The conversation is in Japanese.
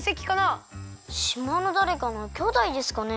しまのだれかのきょうだいですかね？